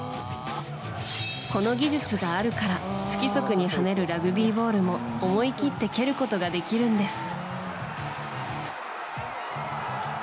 この技術があるから不規則に跳ねるラグビーボールも思い切って蹴ることができるんです。